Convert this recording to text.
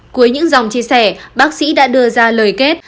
cuối những dòng chia sẻ bác sĩ đã đưa ra lời kết